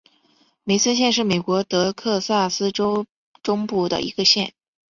梅森县是美国德克萨斯州中部的一个县。